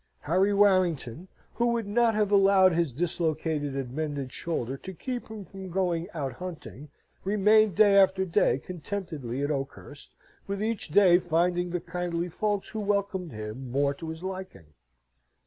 Harry Warrington, who would not have allowed his dislocated and mended shoulder to keep him from going out hunting, remained day after day contentedly at Oakhurst, with each day finding the kindly folks who welcomed him more to his liking.